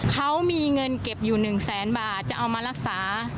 เขามีเงินเก็บอยู่๑แสนบาทจะเอามารักษา